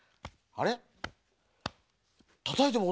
あれ？